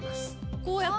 こうやって？